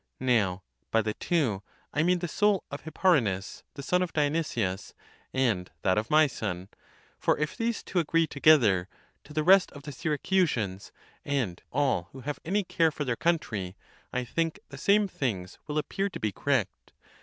Now by the two, I mean the soul of Hipparinus the son of Dionysius, and that of my son. For if these two agree together, to the rest of the Syracusans, and all who have any care for their country, I think (the same things)? will appear to be correct.